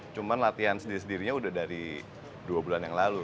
cuma latihan sendiri sendirinya udah dari dua bulan yang lalu